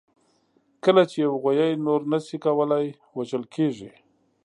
کله چې یوه غویي نور نه شي کولای، وژل کېږي.